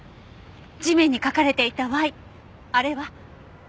地面に書かれていたＹあれは。